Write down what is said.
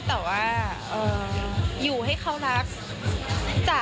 เขาบอกให้รอกี่ปีนะ